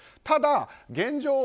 ただ、現状